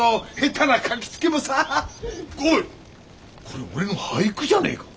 これ俺の俳句じゃねえか！